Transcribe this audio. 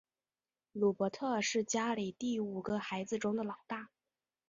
鲁伯特是家里五个孩子中的老大。